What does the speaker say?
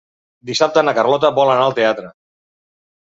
Dissabte na Carlota vol anar al teatre.